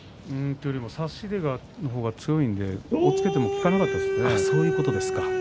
差し手の方が強いので押っつけても効かなかったですね。